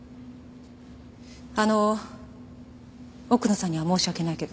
あの奥野さんには申し訳ないけど。